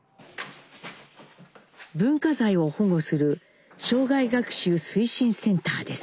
文化財を保護する生涯学習推進センターです。